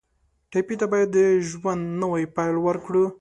ټپي ته باید د ژوند نوی پیل ورکړو.